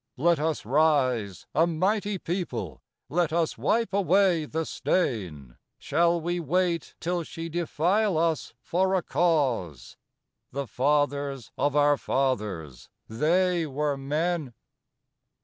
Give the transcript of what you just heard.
Let us rise, a mighty people, let us wipe away the stain! Shall we wait till she defile us for a cause? The fathers of our fathers, they were men!